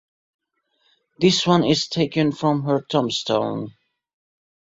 This one is taken from her tombstone.